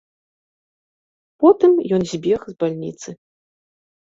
Потым ён збег з бальніцы.